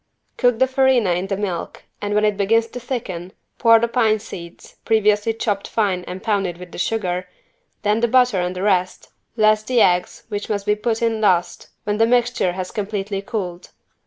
Cook the farina in the milk and when it begins to thicken pour the pine seeds, previously chopped fine and pounded with the sugar, then the butter and the rest, less the eggs which must be put in last when the mixture has completely cooled.